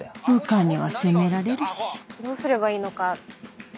部下には責められるしどうすればいいのか